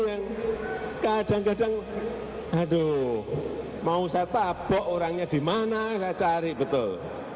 ini yang kadang kadang aduh mau saya tabok orangnya dimana saya cari betul